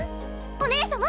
お姉様！